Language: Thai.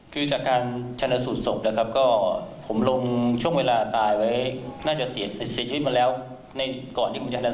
ส่วนที่บริเวณอวัยวะเพศของเด็กไม่พบร่องรอยที่เกิดจากการถูกล่วงละเมิดเยื่อพรหมจารย์